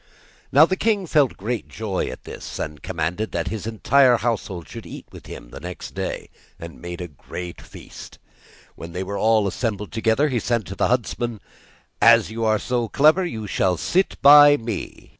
Now the king felt great joy at this, and commanded that his entire household should eat with him next day, and made a great feast. When they were all assembled together, he said to the huntsman: 'As you are so clever, you shall sit by me.